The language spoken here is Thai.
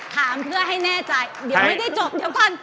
ถามเพื่อให้แน่ใจเดี๋ยวไม่ได้จบเดี๋ยวก่อน